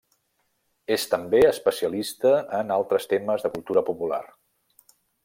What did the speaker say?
És també a especialista en altres temes de cultura popular.